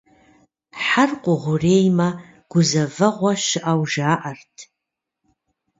Хьэр къугъуреймэ, гузэвэгъуэ щыӏэу жаӏэрт.